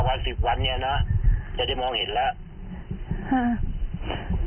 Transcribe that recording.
วัน๑๐วันเนี่ยเนอะจะได้มองเห็นแล้ว